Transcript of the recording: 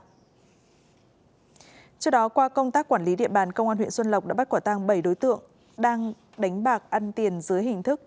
trước đó qua công tác quản lý địa bàn công an huyện xuân lộc đã bắt quả tăng bảy đối tượng đang đánh bạc ăn tiền dưới hình thức